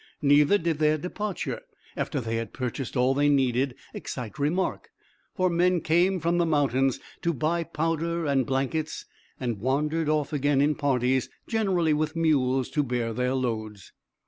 Neither did their departure, after they had purchased all they needed, excite remark, for men came from the mountains to buy powder and blankets, and wandered off again in parties, generally with mules to bear their loads.